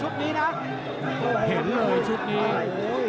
ฝ่ายด้วยชุดนี้นะ